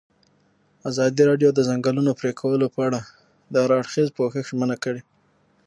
ازادي راډیو د د ځنګلونو پرېکول په اړه د هر اړخیز پوښښ ژمنه کړې.